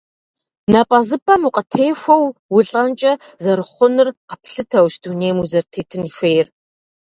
Напӏэзыпӏэм укъытехуэу улӏэнкӏэ зэрыхъунур къэплъытэущ дунейм узэрытетын хуейр.